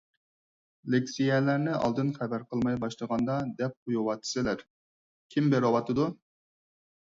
لېكسىيەلەرنى ئالدىن خەۋەر قىلماي باشلىغاندا دەپ قويۇۋاتىسىلەر. كىم بېرىۋاتىدۇ؟